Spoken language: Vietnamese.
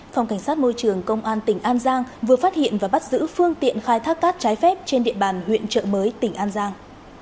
phòng cảnh sát môi trường công an tỉnh an giang vừa phát hiện và bắt giữ phương tiện khai thác cát trái phép trên địa bàn huyện trợ mới tỉnh an giang